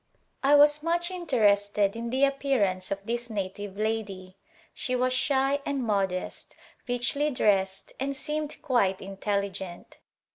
I was much interested in the appearance of this Arrival in India native lady. She was shy and modest, richly dressed and seemed quite intelligent.